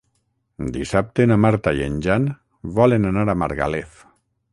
Dissabte na Marta i en Jan volen anar a Margalef.